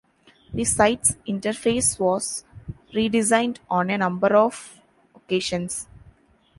The site's interface was redesigned on a number of occasions.